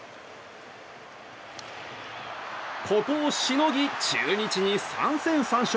ここをしのぎ、中日に３戦３勝。